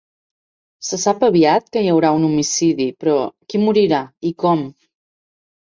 Se sap aviat que hi haurà un homicidi, però qui morirà, i com?